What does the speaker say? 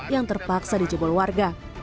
yang terpaksa dijebol warga